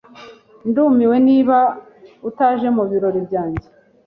Ndumiwe niba utaje mubirori byanjye.